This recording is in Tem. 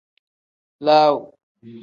Laaw.